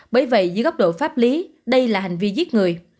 bởi vậy dưới góc độ pháp lý đây là hành vi giết người